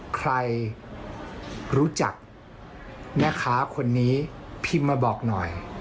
ใครรู้จักแม่ค้าคนนี้พิมพ์มาบอกหน่อย